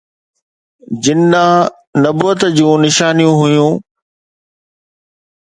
جن ڏانهن نبوت جون نشانيون هيون